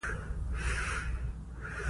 ذکریا ښه زده کونکی دی.